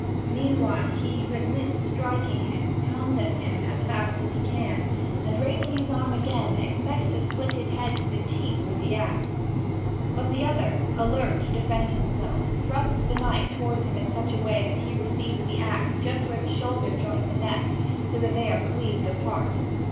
Meanwhile, he who had missed striking him comes at him as fast as he can and, raising his arm again, expects to split his head to the teeth with the axe. But the other, alert to defend himself, thrusts the knight toward him in such a way that he receives the axe just where the shoulder joins the neck, so that they are cleaved apart.